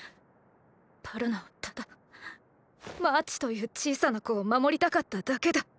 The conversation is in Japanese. パロナはただマーチという小さな子を守りたかっただけだ。